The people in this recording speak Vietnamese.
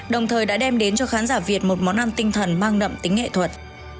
đồng thời đã đem đến cho khán giả việt một món ăn tinh thần mang đậm tính nghệ thuật